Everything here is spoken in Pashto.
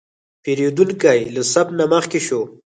پیرودونکی له صف نه مخکې شو.